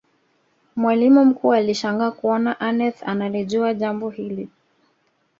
mwalimu mkuu alishangaa kuona aneth analijua jambo hili